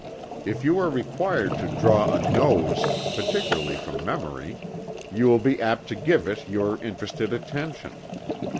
If you are required to draw a nose, particularly from memory, you will be apt to give to it your interested attention.